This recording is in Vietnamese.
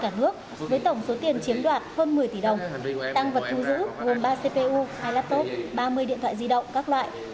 tăng vật thu giữ gồm ba cpu hai laptop ba mươi điện thoại di động các loại và bảy mươi xin được học